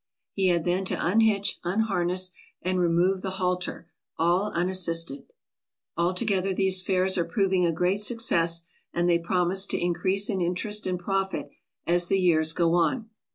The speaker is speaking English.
He had then to unhitch, unharness, and remove the halter, all un assisted. Altogether these fairs are proving a great success, and they promise to increase in interest and profit as the years goon.)